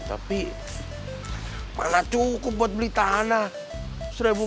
tapi malah cukup buat beli tanah